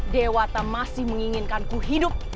dewa tak masih menginginkanku hidup